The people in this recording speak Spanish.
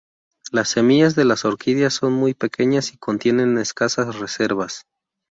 Las semillas de las orquídeas son muy pequeñas y contienen escasas reservas.